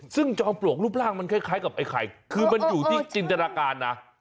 ซึ่งจอมปลวกรูปร่างมันคล้ายกับไอ้ไข่คือมันอยู่ที่จินตนาการนะ